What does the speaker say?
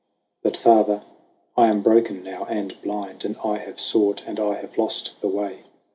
" But, Father, I am broken now and blind, And I have sought, and I have lost the way."